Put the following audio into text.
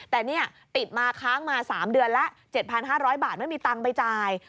แต่นี่ติดมาค้างมา๓เดือนแล้ว๗๕๐๐บาทไม่มีตังค์ไปจ่าย